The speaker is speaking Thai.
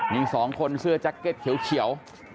มี๒คนเสื้อแจ็คเก็ตเขียว